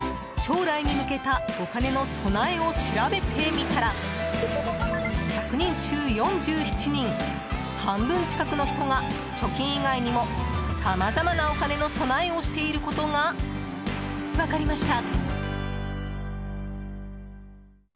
ということで将来に向けたお金の備えを調べてみたら１００人中４７人半分近くの人が、貯金以外にもさまざまなお金の備えをしていることが分かりました。